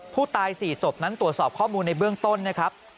ผู้ตาย๔ศพนั้นตรวจสอบข้อมูลในเบื้องต้นนะครับ